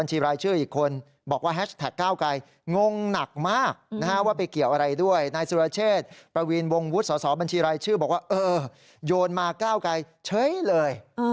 นางสาวภาณวิทยาไนค์สนก็บอกว่าโอ๊ย